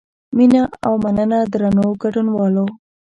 مینه او مننه درنو ګډونوالو.